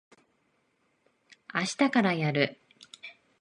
あしたからやる。